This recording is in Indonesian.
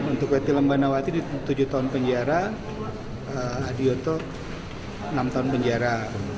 untuk weti lembanawati tujuh tahun penjara adioto enam tahun penjara